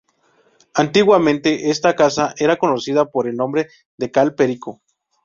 Antiguamente esta casa era conocida por el nombre de Cal Perico.